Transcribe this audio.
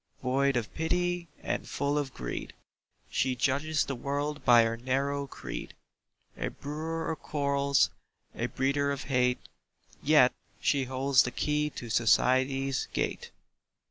Void of pity and full of greed, She judges the world by her narrow creed; A brewer of quarrels, a breeder of hate, Yet she holds the key to "Society's" Gate.